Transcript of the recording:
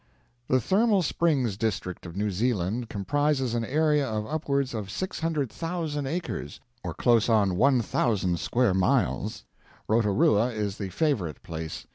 The Thermal springs District of New Zealand comprises an area of upwards of 600,000 acres, or close on 1,000 square miles. Rotorua is the favorite place.